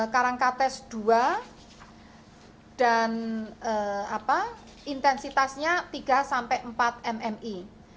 karangkates dua dan intensitasnya tiga sampai empat mmi